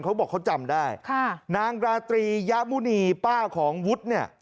เขาบอกเขาจำได้ค่ะนางราตรียะมุณีป้าของวุฒิเนี่ย